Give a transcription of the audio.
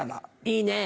いいねぇ。